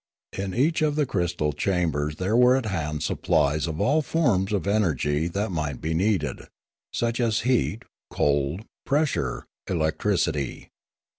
In each of the crystal chambers there were at hand supplies of all the forms of energy that might be needed, such as heat, cold, pressure, electricity.